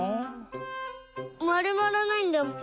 まるまらないんだもん。